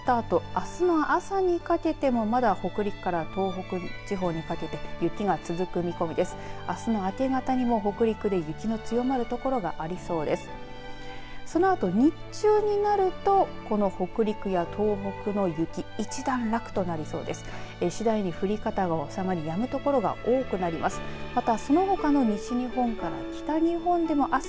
そのあと日中になるとこの北陸や東北の雪一段落となりそうです。